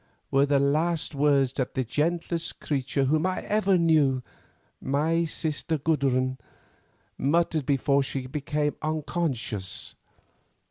were the last words that the gentlest creature whom I ever knew, my sister Gudrun, muttered before she became unconscious.